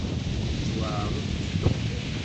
Yettwaɛreḍ-d Tom.